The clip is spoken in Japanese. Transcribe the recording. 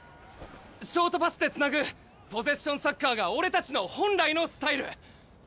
ショートパスでつなぐポゼッションサッカーが俺たちの本来のスタイル。